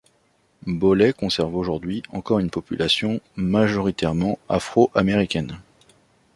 Boley conserve aujourd’hui encore une population majoritairement afro-américaine.